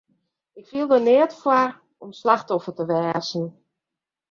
Ik fiel der neat foar om slachtoffer te wêze.